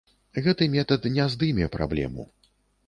Гэты метад не здыме праблему.